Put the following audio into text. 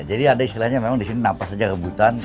jadi ada istilahnya memang di sini nafas saja rebutan